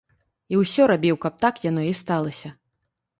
І ўсё рабіў, каб так яно і сталася.